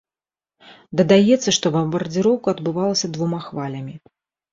Дадаецца, што бамбардзіроўка адбывалася двума хвалямі.